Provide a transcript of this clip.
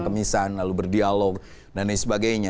kemisan lalu berdialog dan lain sebagainya